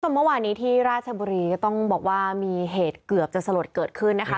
เมื่อวานนี้ที่ราชบุรีก็ต้องบอกว่ามีเหตุเกือบจะสลดเกิดขึ้นนะคะ